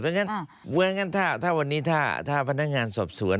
เพราะฉะนั้นถ้าวันนี้ถ้าพนักงานสอบสวน